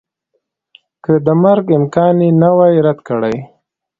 که د مرګ امکان یې نه وای رد کړی